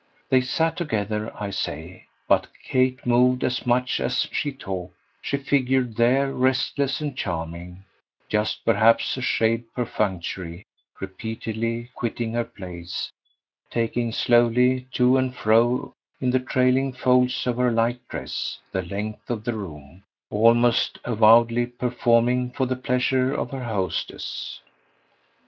They sat together, I say, but Kate moved as much as she talked; she figured there, restless and charming, just perhaps a shade perfunctory, repeatedly quitting her place, taking slowly, to and fro, in the trailing folds of her light dress, the length of the room almost avowedly performing for the pleasure of her hostess.